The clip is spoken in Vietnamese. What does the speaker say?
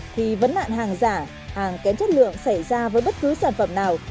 thì vấn đạn hàng giả hàng kén chất lượng xảy ra với bất cứ sản phẩm nào